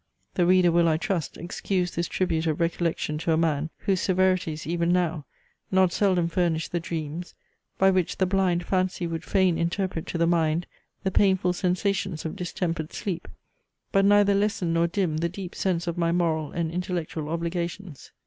The reader will, I trust, excuse this tribute of recollection to a man, whose severities, even now, not seldom furnish the dreams, by which the blind fancy would fain interpret to the mind the painful sensations of distempered sleep; but neither lessen nor dim the deep sense of my moral and intellectual obligations.